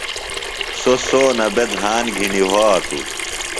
سوۡ سونہ بےۡ دھان گِھنیۡ وھاتوۡ۔